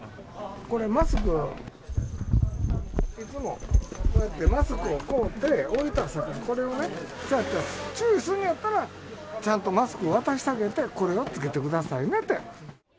これ、マスク、いつもこうやってマスクを買うて置いてあるさかい、これをね、そやったら、注意すんねやったら、ちゃんとマスクを渡してあげて、これを着けてくださいねって。